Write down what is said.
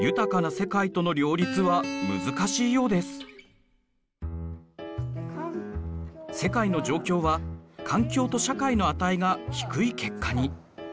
世界の状況は環境と社会の値が低い結果に。